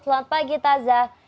selamat pagi taza